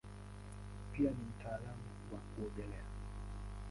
Pia ni mtaalamu wa kuogelea.